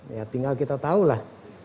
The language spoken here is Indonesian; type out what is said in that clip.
ya tinggal kita tahu lah